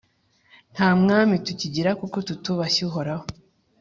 Nta mwami tukigira kuko tutubashye Uhoraho.